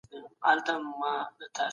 ستاسو دلایل باید د ټولو لپاره د منلو وي.